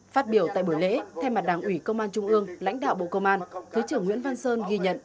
phát biểu tại buổi lễ thay mặt đảng ủy công an trung ương lãnh đạo bộ công an thứ trưởng nguyễn văn sơn ghi nhận